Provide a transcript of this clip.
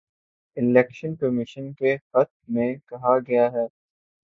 election commission کے خط میں کہا گیا ہے